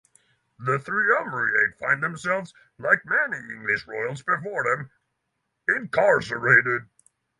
The Triumvirate find themselves-like many English Royals before them-incarcerated.